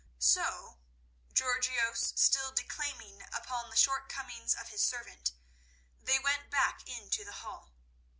So, Georgios still declaiming upon the shortcomings of his servant, they went back into the hall.